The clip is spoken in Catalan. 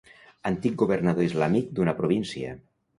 Antic governador islàmic d'una província.